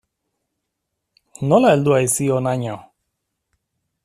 Nola heldu haiz hi honaino?